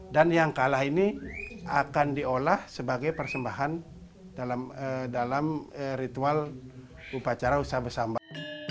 dan yang kalah ini akan diolah sebagai persembahan dalam ritual upacara usaha bersambah